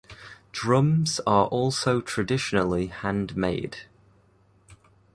Drums are also traditionally handmade.